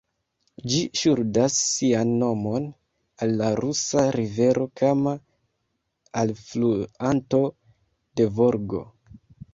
Ĝi ŝuldas sian nomon al la rusa rivero Kama, alfluanto de Volgo.